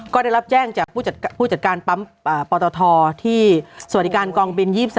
ก็ได้รับแจ้งจากผู้จัดการปั๊มปตทที่สวัสดิการกองบิน๒๓